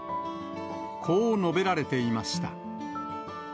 こう述べられていました。